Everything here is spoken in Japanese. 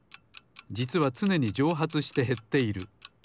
じつはつねにじょうはつしてへっている。